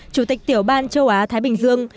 chủ tịch tiểu ban châu á thái bình dương